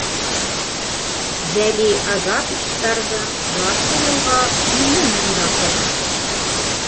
Вәли Агапичтарҙың ярты йылға илле мең доход.